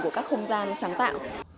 của các không gian sáng tạo